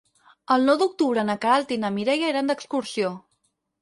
El nou d'octubre na Queralt i na Mireia iran d'excursió.